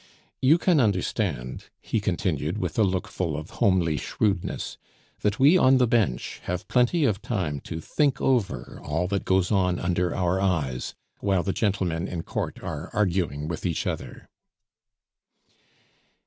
"You can understand," he continued, with a look full of homely shrewdness, "that we on the bench have plenty of time to think over all that goes on under our eyes, while the gentlemen in court are arguing with each other."